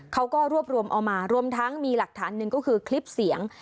เขาก็รวบรวมเอามารวมทั้งมีหลักฐานหนึ่งก็คือคลิปเสียง